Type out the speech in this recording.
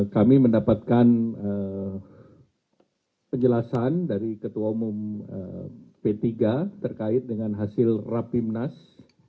kami mendapatkan penjelasan dari ketua umum p tiga terkait dengan hasil rapimnas